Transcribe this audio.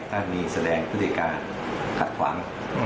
ถ้ามีแสดงพฤติการผัดความ